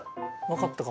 わかった？